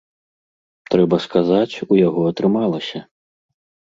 Трэба сказаць, у яго атрымалася!